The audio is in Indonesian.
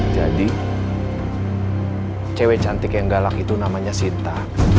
jadi cewek cantik yang galak itu namanya sinta